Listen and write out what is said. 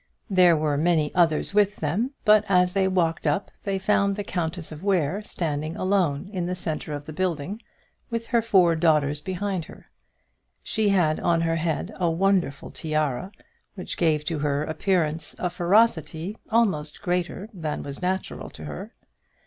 There were many others with them, but as they walked up they found the Countess of Ware standing alone in the centre of the building, with her four daughters behind her. She had on her head a wonderful tiara, which gave to her appearance a ferocity almost greater than was natural to her.